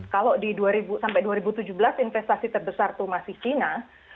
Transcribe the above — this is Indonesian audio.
kalau di dua ribu sampai dua ribu tujuh belas investasi terbesar itu masih china